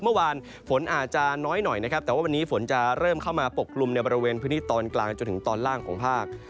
เมื่อวานฝนอาจจะน้อยหน่อยนะครับแต่ว่าวันนี้ฝนจะเริ่มเข้ามาปกกลุ่มในบริเวณพื้นที่ตอนกลางจนถึงตอนล่างของภาค